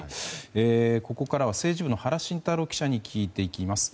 ここからは、政治部の原慎太郎記者に聞いていきます。